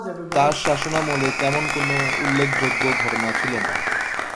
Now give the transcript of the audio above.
তার শাসনামলে তেমন কোন উল্লেখযোগ্য ঘটনা ছিলনা।